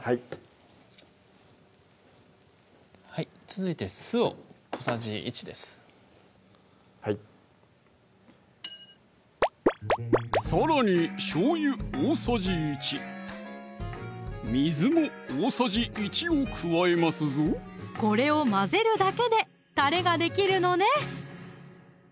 続いて酢を小さじ１ですはいさらにしょうゆ大さじ１水も大さじ１を加えますぞこれを混ぜるだけでたれができるのね